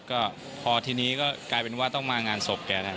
ก็พอทีนี้ก็กลายเป็นว่าต้องมางานศพแกนะครับ